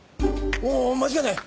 おお間違いない。